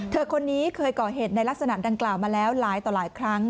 คนนี้เคยก่อเหตุในลักษณะดังกล่าวมาแล้วหลายต่อหลายครั้ง